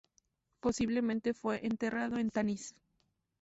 Posiblemente fue enterrado en Tanis.